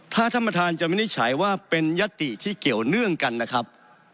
ถ้าท่านประธานจะวินิจฉัยว่าเป็นยติที่เกี่ยวเนื่องกันนะครับ